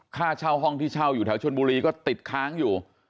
ค่าเช่าห้องที่เช่าอยู่แถวชนบุรีก็ติดค้างอยู่